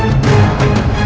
aku sudah berhenti